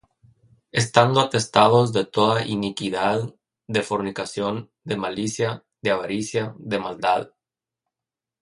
Estando atestados de toda iniquidad, de fornicación, de malicia, de avaricia, de maldad;